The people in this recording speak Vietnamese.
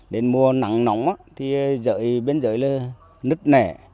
đến mùa nắng nóng thì bên dưới là nứt nẻ